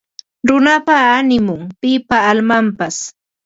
Runapa animun; pipa almanpas